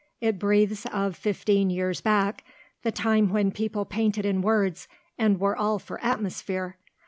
It breathes of fifteen years back the time when people painted in words, and were all for atmosphere.